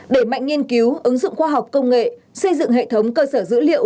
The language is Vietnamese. đẩy mạnh nghiên cứu ứng dụng khoa học công nghệ xây dựng hệ thống cơ sở dữ liệu